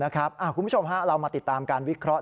คุณผู้ชมเรามาติดตามการวิเคราะห